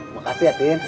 makasih ya tin